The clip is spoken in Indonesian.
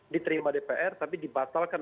diterima dpr tapi dibatalkan